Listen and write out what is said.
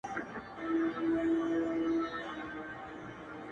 نور دي دسترگو په كتاب كي”